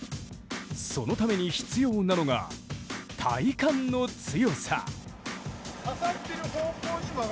そのために必要なのが体幹の強さ。